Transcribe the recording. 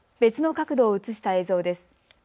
別の角度を映した映像です。